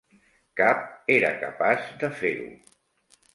Cap era capaç de fer-ho.